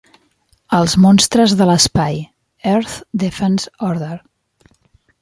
Els monstres de l'espai - Earth Defense Order.